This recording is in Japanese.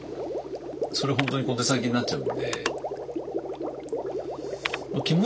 それ本当に小手先になっちゃうんで。